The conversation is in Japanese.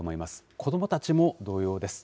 子どもたちも同様です。